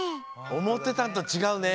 おもってたんとちがうね。